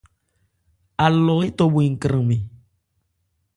Alɔ étɔ bhwe nkranmɛn.